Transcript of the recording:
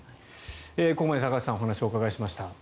ここまで高橋さんお話をお伺いしました。